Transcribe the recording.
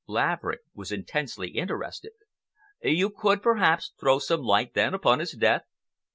Laverick was intensely interested. "You could, perhaps, throw some light, then, upon his death?"